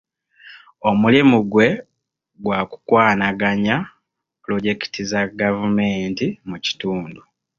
Omulimu gwe gwa kukwanaganya pulojekiti za gavumenti mu kitundu.